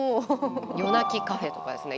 「夜泣きカフェ」とかですね